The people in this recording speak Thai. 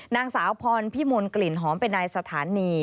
นางสาวพรพิมลกลิ่นหอมเป็นนายสถานี